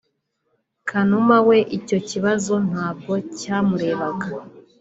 Kanuma we icyo kibazo ntabwo cyamurebaga